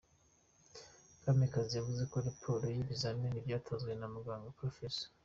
Kamikazi yavuze ko raporo y’ibizamini byatanzwe na muganga Prof.